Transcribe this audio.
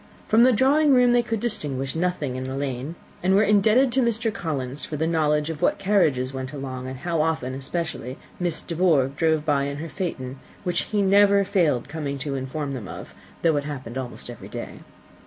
From the drawing room they could distinguish nothing in the lane, and were indebted to Mr. Collins for the knowledge of what carriages went along, and how often especially Miss De Bourgh drove by in her phaeton, which he never failed coming to inform them of, though it happened almost every day.